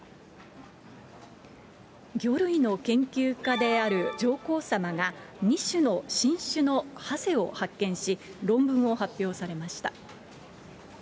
魚類の研究家である上皇さまが、２種の新種のハゼを発見し、論文を発表されました。